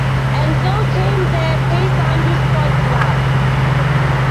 And so came the Paysandu Sport Club.